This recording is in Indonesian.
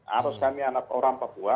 harus kami anak orang papua